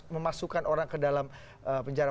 memasukkan orang ke dalam penjara